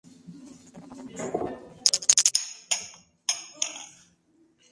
El Ascenso Directo será para el Campeón Nacional de Segunda División.